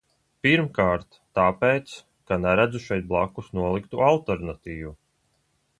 Pirmkārt, tāpēc, ka neredzu šeit blakus noliktu alternatīvu.